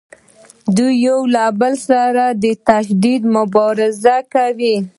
دوی یو له بل سره شدیده مبارزه کوي